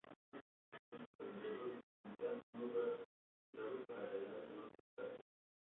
Estos hallazgos representan un lugar clave para la Edad de Bronce tardía.